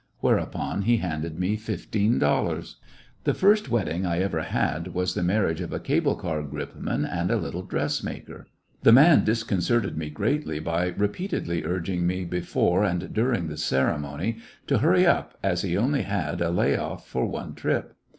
Whereupon he handed me fifteen dollars. // never The first wedding I ever had was the mar riage of a cable car gripman and a little dress maker. The man disconcerted me greatly by repeatedly urging me before and during the ceremony to hurry up, as he only had a lay off for one trip.